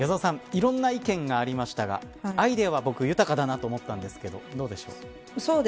いろんな意見がありましたがアイデアは僕、豊かだなと思ったんですけどどうでしょう。